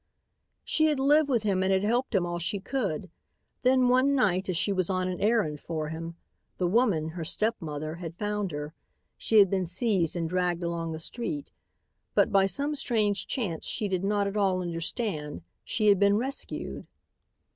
She had lived with him and had helped him all she could. Then, one night, as she was on an errand for him, the woman, her stepmother, had found her. She had been seized and dragged along the street. But by some strange chance she did not at all understand, she had been rescued.